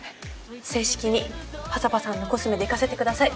正式に「ｐａｚａｐａ」さんのコスメでいかせてください。